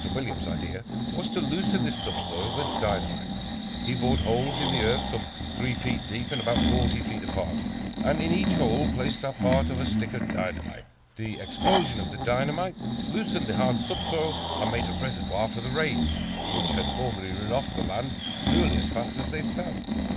Williams' idea was to loosen this subsoil with dynamite. He bored holes in the earth some 3 feet deep and about 40 feet apart, and in each hole placed a part of a stick of dynamite. The explosion of the dynamite loosened the hard subsoil, and made a reservoir for the rains, which had formerly run off the land nearly as fast as they fell.